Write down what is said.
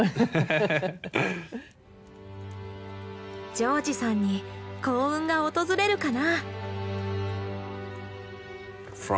ジョージさんに幸運が訪れるかな。